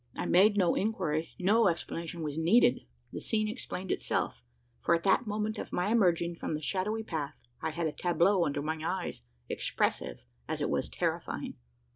I made no inquiry no explanation was needed. The scene explained itself: for, at the moment of my emerging from the shadowy path, I had a tableau under my eyes, expressive as it was terrifying.